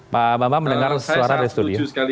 pak bambang mendengar suara dari studio